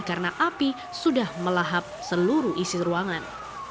karena api sudah melahap seluruh isi ruangan